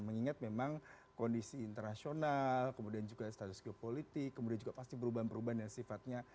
terutama terhadap kondisi internasional kemudian juga status geopolitik kemudian juga pasti berubah berubahan sifatnya